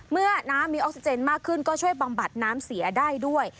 เมื่อน้ำมีออกซิเจนมากขึ้นก็ช่วยบำบัดน้ำเสียได้ด้วย